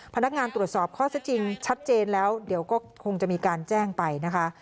พนักงานตรวจสอบข้อซะจริงชัดเจนแล้วเดี๋ยวก็คงจะมีการแจ้งไปนะคะ